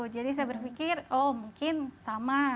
jadi saya berpikir oh mungkin sama